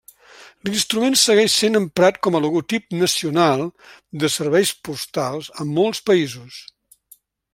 L'instrument segueix sent emprat com a logotip nacional de serveis postals en molts països.